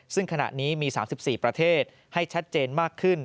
ซึ่งขณะนี้มี๓๔ประเทศให้ชัดเจนมากขึ้น